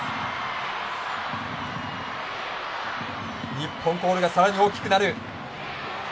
日本コールがさらに大きくなる。